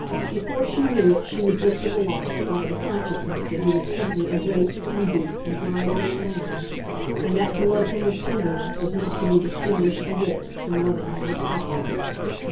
Before she knew it she was lifted aloft by the consciousness that he was simply a great and deep and high little man, and that to love him with tenderness was not to be distinguished, a whit, from loving him with pride.